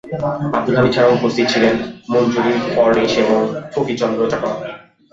আব্দুল হামিদ ছাড়াও উপস্থিত ছিলেন মঞ্জরী ফড়ণীস এবং ফকিরচন্দ্র চট্টোপাধ্যায়।